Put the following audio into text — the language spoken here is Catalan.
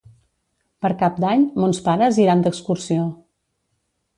Per Cap d'Any mons pares iran d'excursió.